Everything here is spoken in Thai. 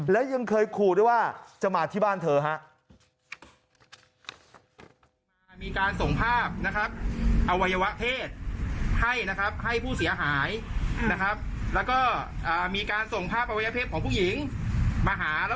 และยังเคยขู่ด้วยว่าจะมาที่บ้านเธอฮะ